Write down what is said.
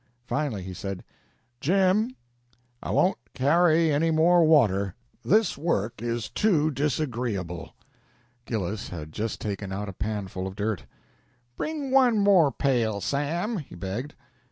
Finally he said: "Jim, I won't carry any more water. This work too disagreeable." Gillis had just taken out a panful of dirt. "Bring one more pail, Sam," he begged.